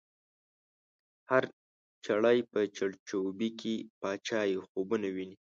هر چړی په چړچوبۍ کی، باچایې خوبونه وینې